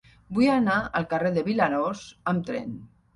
Vull anar al carrer de Vilarós amb tren.